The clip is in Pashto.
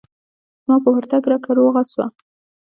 زما په ورتگ رکه روغه سوه.